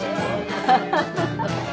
ハハハハ。